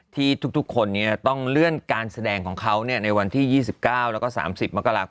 ที่ทุกคนต้องเลื่อนการแสดงของเขาในวันที่๒๙แล้วก็๓๐มกราคม